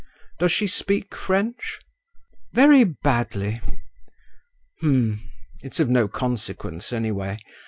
"Does she speak French?" "Very badly." "H'm. It's of no consequence anyway.